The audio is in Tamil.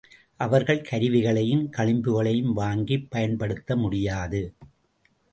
அவர்கள் கருவிகளையும் களிம்புகளையும் வாங்கிப் பயன்படுத்த முடியாது.